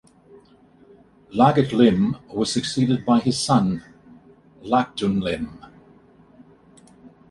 Iagitlim was succeeded by his son Iakhdunlim.